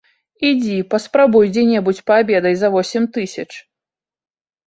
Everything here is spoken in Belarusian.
Ідзі, паспрабуй дзе-небудзь паабедай за восем тысяч.